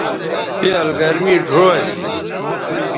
بیال گرمی ڙھو اسی